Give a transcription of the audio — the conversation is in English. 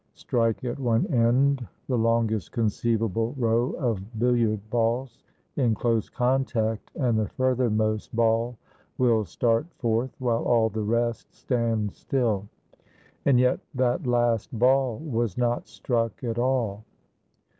Strike at one end the longest conceivable row of billiard balls in close contact, and the furthermost ball will start forth, while all the rest stand still; and yet that last ball was not struck at all.